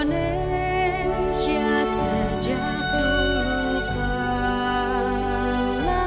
indonesia sejak dulu kalah